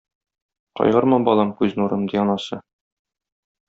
Кайгырма, балам, күз нурым, - ди анасы.